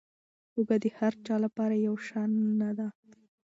هوږه د هر چا لپاره یو شان نه ده.